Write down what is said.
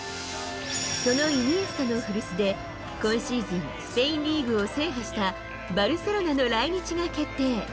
そのイニエスタの古巣で、今シーズン、スペインリーグを制覇したバルセロナの来日が決定。